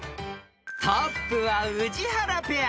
［トップは宇治原ペア］